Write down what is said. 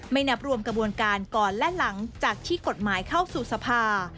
นับรวมกระบวนการก่อนและหลังจากที่กฎหมายเข้าสู่สภา